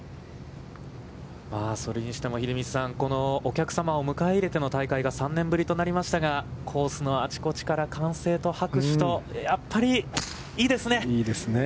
それにしても、秀道さん、このお客様を迎え入れての大会が３年ぶりとなりましたが、コースのあちこちから歓声と、拍手と、やっぱりいいですね。